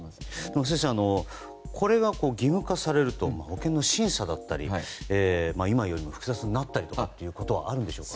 野村先生これが義務化されると保険の審査だったりが今よりも複雑になるということはあるんですか？